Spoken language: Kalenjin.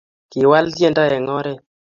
Kiwal tyendo eng oret